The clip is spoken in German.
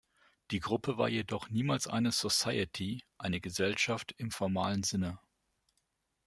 Die Gruppe war jedoch niemals eine "society", eine Gesellschaft, im formalen Sinne.